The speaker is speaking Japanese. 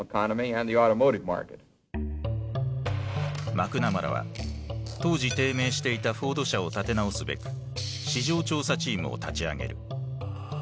マクナマラは当時低迷していたフォード社を立て直すべく「市場調査チーム」を立ち上げる。